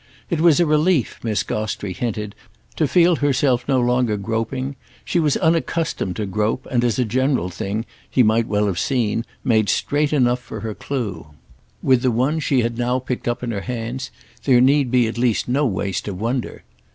It was a relief, Miss Gostrey hinted, to feel herself no longer groping; she was unaccustomed to grope and as a general thing, he might well have seen, made straight enough for her clue. With the one she had now picked up in her hands there need be at least no waste of wonder.